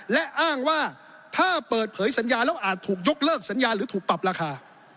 และอ้างว่าถ้าเปิดเผยสัญญาแล้วอาจถูกยกเลิกสัญญาหรือถูกปรับราคา